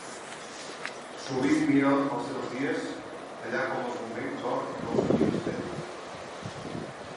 Sovint mira els seus dies allà com els moments d'or del seu ministeri.